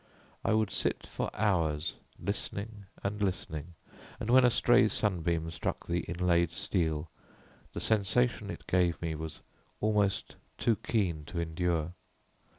I would sit for hours, listening and listening, and when a stray sunbeam struck the inlaid steel, the sensation it gave me was almost too keen to endure.